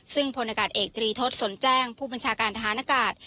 ซึ่งพลอากาศเอกตรีทศสนแจ้งผู้บัญชาการทหารอากาศ